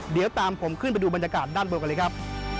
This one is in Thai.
เดี๋ยวตามผมขึ้นไปดูบรรยากาศด้านบนกันเลยครับ